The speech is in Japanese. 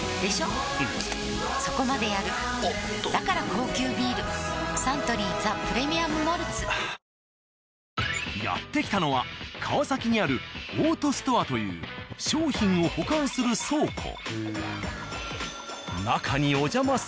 うんそこまでやるおっとだから高級ビールサントリー「ザ・プレミアム・モルツ」はぁーやって来たのは川崎にある「オートストア」という商品を保管する倉庫。